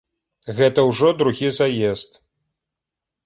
Гэта ўжо другі заезд.